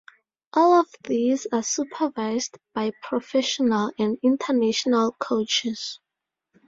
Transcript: All of these are supervised by professional and international coaches.